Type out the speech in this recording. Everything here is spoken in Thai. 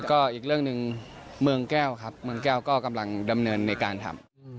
ก็อีกเรื่องหนึ่งเมืองแก้วครับเมืองแก้วก็กำลังดำเนินในการทำ